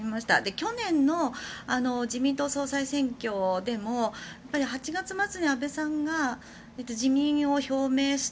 去年の自民党総裁選挙でも８月末に安倍さんが辞任を表明した